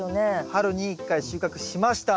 春に１回収穫しました。